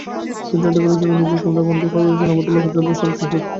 শচীন টেন্ডুলকারের ছবি নিজের ক্যামেরায় বন্দী করেছেন আমাদের আলোকচিত্রী শামসুল হক।